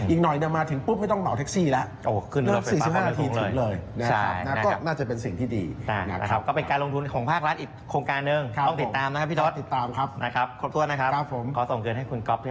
อีกหน่อยมาถึงปุ๊บไม่ต้องเหมาแท็กซี่แล้ว